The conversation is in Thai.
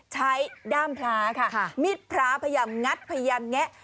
ด้ามพระค่ะมิดพระพยายามงัดพยายามแงะ